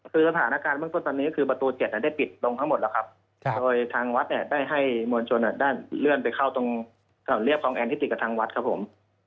คือสถานการณ์ตอนนี้คือประตู๗ได้ปิดตรงทั้งหมดแล้วครับโดยทางวัดได้ให้มวลชนได้เลื่อนไปเข้าตรงขนาดเรียบของแอร์ที่ติดกับทางวัดครับผม